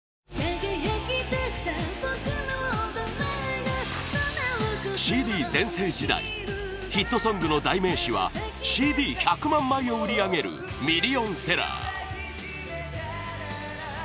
「輝きだした僕達を誰が」ＣＤ全盛時代ヒットソングの代名詞はＣＤ１００万枚を売り上げるミリオンセラー